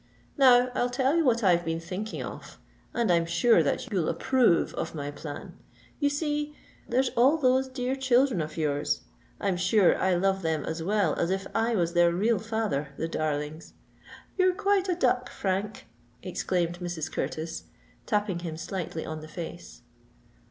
Now, I'll tell you what I've been thinking of—and I'm sure that you'll approve of my plan. You see, there's all those dear children of your's—I'm sure I love them as well as if I was their real father, the darlings——" "You're quite a duck, Frank," exclaimed Mrs. Curtis, tapping him slightly on the face.